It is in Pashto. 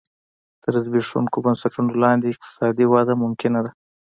تر زبېښونکو بنسټونو لاندې اقتصادي وده ممکنه ده.